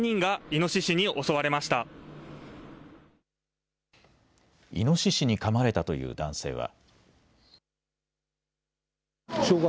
イノシシにかまれたという男性は。